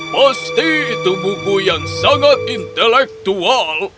pasti itu buku yang sangat intelektual